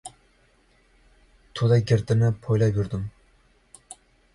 To‘da girdini poylab yurdim.